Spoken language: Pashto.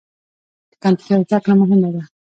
د کمپیوټر زده کړه مهمه ده.